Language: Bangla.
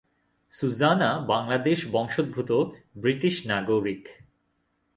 সুজানা বাংলাদেশ বংশোদ্ভূত ব্রিটিশ নাগরিক।